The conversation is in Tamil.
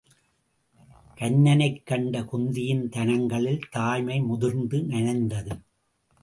கன்னனைக் கண்ட குந்தியின் தனங்களில் தாய்மை முதிர்ந்து நனைத்தது.